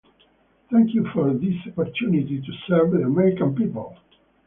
Thank you for this opportunity to serve the American people.